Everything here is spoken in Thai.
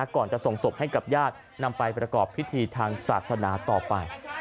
ก่อนจะส่งศพให้กับญาตินำไปประกอบพิธีทางศาสนาต่อไป